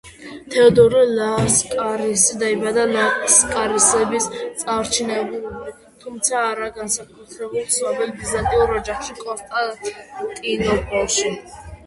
თეოდორე ლასკარისი დაიბადა ლასკარისების წარჩინებულ, თუმცა არა განსაკუთრებით ცნობილ ბიზანტიურ ოჯახში კონსტანტინოპოლში.